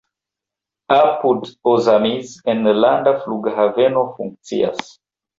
Apud Ozamiz enlanda flughaveno funkcias.